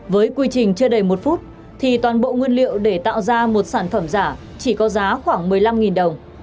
với quy trình chưa đầy một phút thì toàn bộ nguyên liệu để tạo ra một sản phẩm giả chỉ có giá khoảng một mươi năm đồng